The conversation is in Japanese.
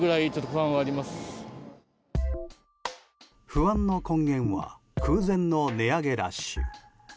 不安の根源は空前の値上げラッシュ。